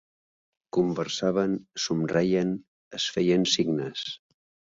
Conversaven, somreien, es feien signes